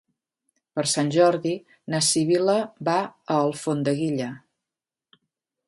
Per Sant Jordi na Sibil·la va a Alfondeguilla.